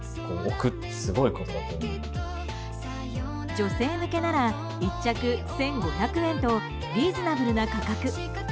女性向けなら１着１５００円とリーズナブルな価格。